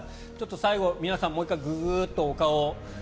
最後、皆さんもう１回ググッとお顔を。